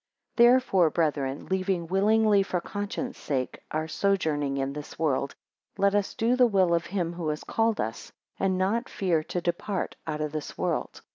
THEREFORE brethren, leaving willingly for conscience sake our sojourning in this world, let us do the will of him who has called us, and not fear to depart out of this world.